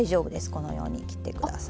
このように切って下さい。